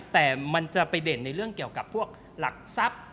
แต่มันจะไปเด่นในเรื่องเกี่ยวกับพวกหลักทรัพย์